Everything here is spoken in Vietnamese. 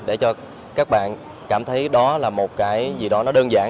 để cho các bạn cảm thấy đó là một cái gì đó nó đơn giản